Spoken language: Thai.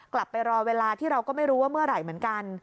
กลับไปรอเวลาที่เราก็ไม่รู้ว่าเมื่อไหร่เหมือนกัน